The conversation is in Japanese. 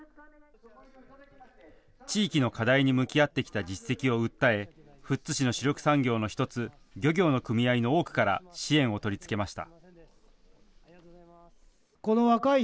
地域の課題に向き合ってきた実績を訴え、富津市の主力産業の１つ、漁業の組合の多くから支援を取りつけました。